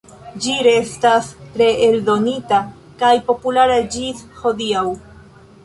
Ĝi restas reeldonita kaj populara ĝis hodiaŭ.